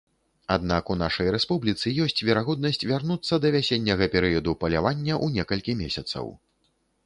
Аднак у нашай рэспубліцы ёсць верагоднасць вярнуцца да вясенняга перыяду палявання ў некалькі месяцаў.